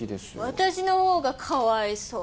私のほうがかわいそう。